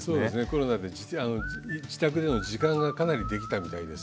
コロナで自宅での時間がかなりできたみたいですね。